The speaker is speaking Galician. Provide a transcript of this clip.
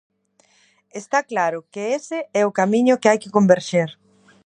Está claro que ese é o camiño, que hai que converxer.